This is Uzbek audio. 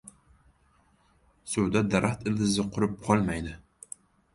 • Suvda daraxt ildizi qurib qolmaydi.